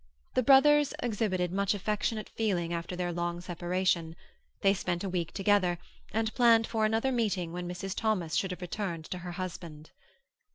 The brothers exhibited much affectionate feeling after their long separation; they spent a week together, and planned for another meeting when Mrs. Thomas should have returned to her husband.